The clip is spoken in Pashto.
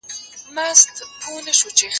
پاکوالي وساته؟